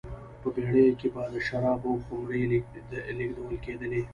په بېړیو کې به د شرابو خُمرې لېږدول کېدلې